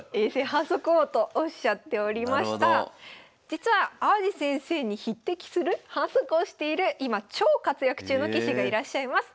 実は淡路先生に匹敵する反則をしている今超活躍中の棋士がいらっしゃいます。